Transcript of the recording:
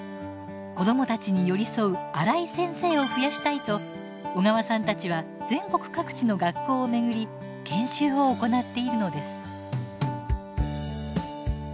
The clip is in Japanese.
子どもたちに寄り添うアライ先生を増やしたいと小川さんたちは全国各地の学校を巡り研修を行っているのです。